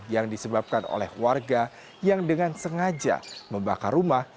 yang disebabkan oleh warga yang dengan sengaja membakar rumah